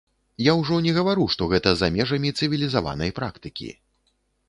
Я ўжо не гавару, што гэта за межамі цывілізаванай практыкі.